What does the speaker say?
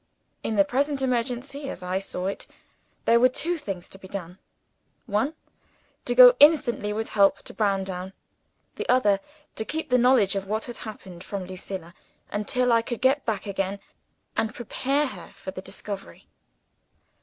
In the present emergency as I saw it there were two things to be done. One, to go instantly with help to Browndown: the other, to keep the knowledge of what had happened from Lucilla until I could get back again, and prepare her for the discovery.